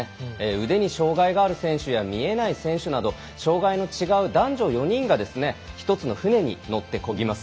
腕に障がいがある選手や見えない選手など障がいの違う男女４人がですね一つの舟に乗ってこぎます。